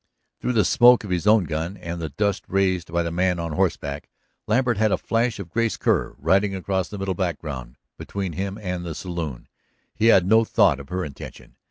Through the smoke of his own gun, and the dust raised by the man on horseback, Lambert had a flash of Grace Kerr riding across the middle background between him and the saloon. He had no thought of her intention.